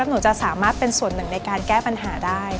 หนูจะสามารถเป็นส่วนหนึ่งในการแก้ปัญหาได้